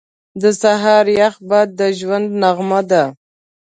• د سهار یخ باد د ژوند نغمه ده.